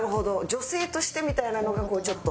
「女性として」みたいなのがこうちょっと？